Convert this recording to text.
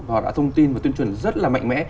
họ đã thông tin và tuyên truyền rất là mạnh mẽ